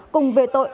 cùng về tội đánh bạc